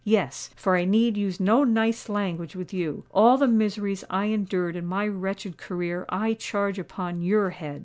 Yes—for I need use no nice language with you. All the miseries I endured in my wretched career I charge upon your head.